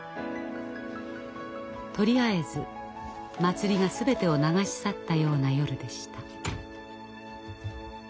とりあえず祭りが全てを流し去ったような夜でした。